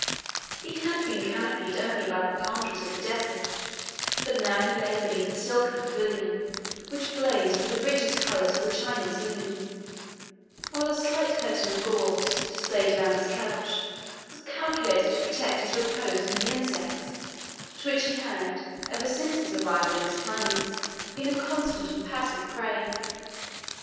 He had been canopied only by the palm trees of the desert, but now he lay beneath a silken pavilion, which blazed with the richest colours of the Chinese loom, while a slight curtain of gauze, displayed around his couch, was calculated to protect his repose from the insects, to which he had, ever since his arrival in these climates, been a constant and passive prey.